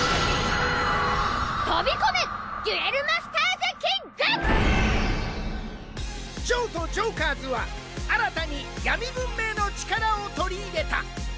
ジョーとジョーカーズは新たに闇文明の力を取り入れた。